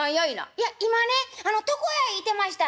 「いや今ね床屋いてましたやろ。